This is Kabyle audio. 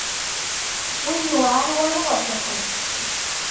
Win iwɛan wayeḍ, ad t-iqqes.